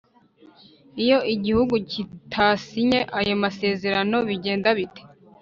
iyo igihugu kitasinye ayo masererano bigenda bite